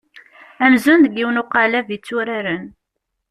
Amzun deg yiwen uqaleb i tturaren.